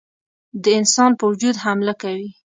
د انسان په وجود حمله کوي.